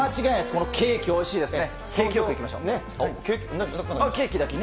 このケーキ、おいしいですね。